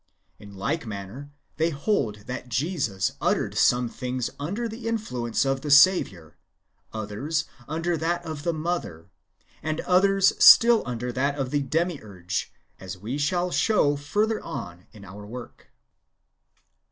In like manner, they hold that Jesus uttered some things under the influence of the Saviour, others under that of the mother, and others still under that of the Demiurge, as we shall show further on in our work.